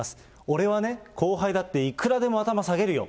俺はね、後輩だっていくらでも頭下げるよ。